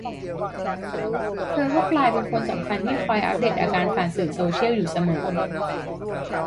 เธอก็กลายเป็นคนสำคัญที่คอยอัปเดตอาการผ่านสื่อโซเชียลอยู่เสมอ